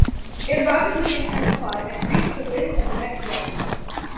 It rapidly intensified, and reached winds of the next day.